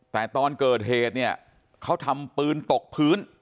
แต่ตอนเกิดเหตุเนี่ยเขาทำปืนตกพื้น